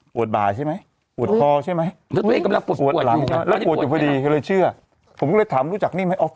ปวดบ่ายใช่มั้ยปวดทอดใช่มั้ย